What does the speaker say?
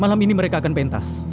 malam ini mereka akan pentas